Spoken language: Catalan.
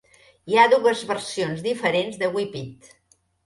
Hi ha dues versions diferents de Whipped!